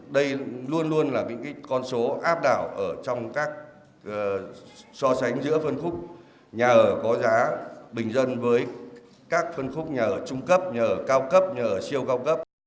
đây luôn luôn là những con số áp đảo ở trong các so sánh giữa phân khúc nhà ở có giá bình dân với các phân khúc nhà ở trung cấp nhà ở cao cấp nhà ở siêu cao cấp